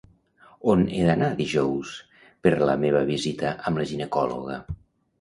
On he d'anar dijous per la meva visita amb la ginecòloga?